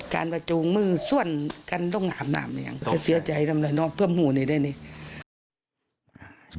การประจูงมือส่วนกันลงอาบน้ำเนี่ยจะเสียใจทำอะไรเนาะเพื่อหมู่นี้ได้นี่